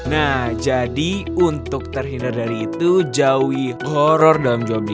nah jadi untuk terhindar dari itu jauhi horror dalam job ini